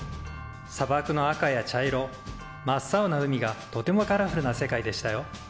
さばくの赤や茶色真っ青な海がとてもカラフルな世界でしたよ。